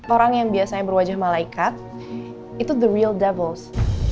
orang yang biasanya berwajah malaikat itu the real doubles